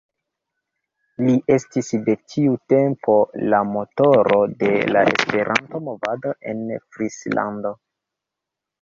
Li estis de tiu tempo la "motoro" de la Esperanto-movado en Frislando.